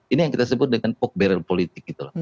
ini yang kita sebut dengan pok beral politik gitu